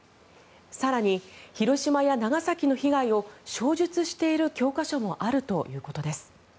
更に、広島や長崎の被害を詳述している教科書もあるということです。